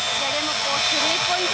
スリーポイント